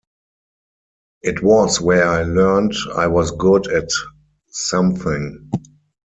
It was where I learned I was good at something.